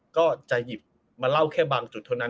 ก็จะหยิบมาเล่าแค่บางจุดเท่านั้น